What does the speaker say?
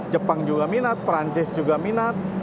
jepang juga minat